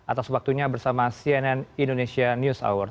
atas waktunya bersama cnn indonesia news hour